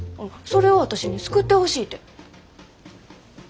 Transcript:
それを私に救ってほしいて。